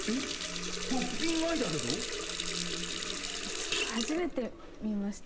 ちょっと初めて見ました。